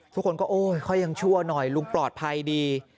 ทุกคนก็เค้ายังชัวร์หน่อยลุงปลอดภัยดี